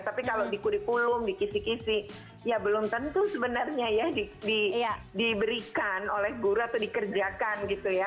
tapi kalau di kurikulum di kisi kisi ya belum tentu sebenarnya ya diberikan oleh guru atau dikerjakan gitu ya